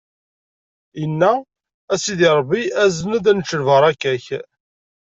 Inna: A Sidi Ṛebbi, azen-d ad nečč lbaṛaka-k!